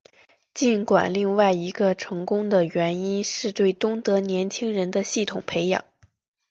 尽管另外一个成功的原因是对东德年轻人的系统培养。